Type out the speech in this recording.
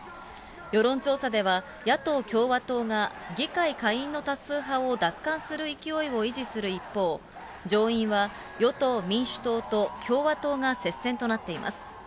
世論調査では、野党・共和党が議会下院の多数派を奪還する勢いを維持する一方、上院は、与党・民主党と共和党が接戦となっています。